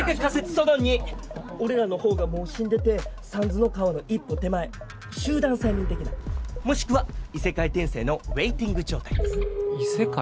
その２俺らのほうがもう死んでて三途の川の一歩手前集団催眠的なもしくは異世界転生のウエーティング状態異世界？